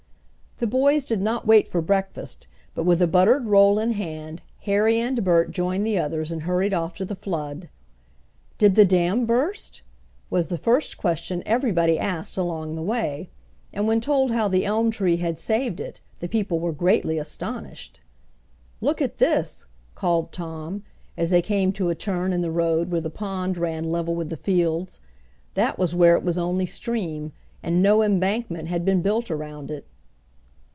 The boys did not wait for breakfast, but with a buttered roll in hand Harry and Bert joined the others and hurried off to the flood. "Did the dam burst?" was the first question everybody asked along the way, and when told how the elm tree had saved it the people were greatly astonished. "Look at this," called Tom, as they came to a turn in the road where the pond ran level with the fields. That was where it was only stream, and no embankment had been built around it.